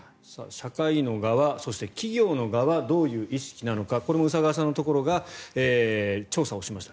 社会の側、そして企業の側どういう意識なのかこれも宇佐川さんのところが調査をしました。